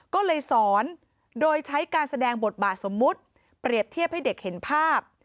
ก็เลยสอนโดยใช้การแสดงบทบาทสมมุติเปรียบเทียบให้เด็กเห็นภาพ